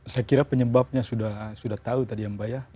saya kira penyebabnya sudah tahu tadi ya mbak ya